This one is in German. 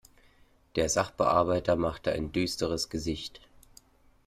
Der Sachbearbeiter machte ein düsteres Gesicht.